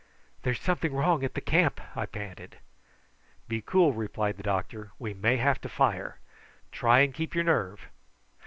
"There's something wrong at the camp," I panted. "Be cool," replied the doctor, "we may have to fire. Try and keep your nerve.